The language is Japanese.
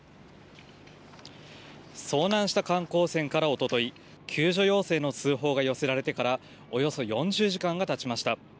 遭難した観光船からおととい、救助要請の通報が寄せられてからおよそ４０時間がたちました。